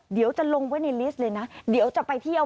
เดี๋ยวจะลงไว้ในลิสต์เลยนะเดี๋ยวจะไปเที่ยว